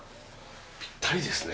ぴったりですね。